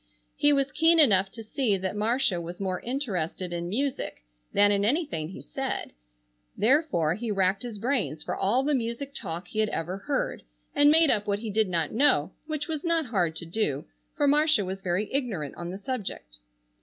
He was keen enough to see that Marcia was more interested in music than in anything he said, therefore he racked his brains for all the music talk he had ever heard, and made up what he did not know, which was not hard to do, for Marcia was very ignorant on the subject.